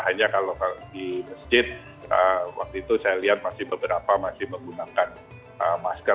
hanya kalau di masjid waktu itu saya lihat masih beberapa masih menggunakan masker